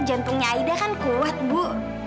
jantungnya aida kan kuat bu